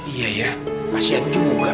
iya ya kasian juga